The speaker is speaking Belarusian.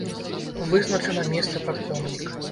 Вызначана месца пад помнік.